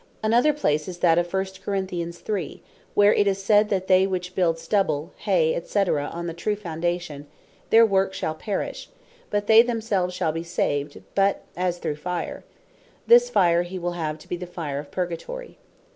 Another place is that of 1 Cor. 3. where it is said that they which built Stubble, Hay, &c. on the true Foundation, their work shall perish; but "they themselves shall be saved; but as through Fire:" This Fire, he will have to be the Fire of Purgatory.